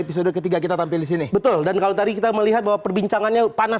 episode ketiga kita tampil di sini betul dan kalau tadi kita melihat bahwa perbincangannya panas